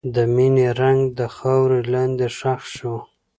د مینې رنګ د خاورې لاندې ښخ شو.